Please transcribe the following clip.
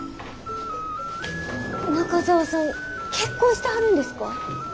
中澤さん結婚してはるんですか？